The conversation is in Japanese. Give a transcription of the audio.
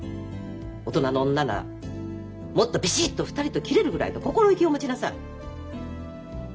大人の女ならもっとビシッと２人と切れるぐらいの心意気を持ちなさい。